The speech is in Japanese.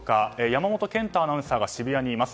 山本賢太アナウンサーが渋谷にいます。